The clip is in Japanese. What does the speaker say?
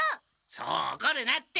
そうおこるなって。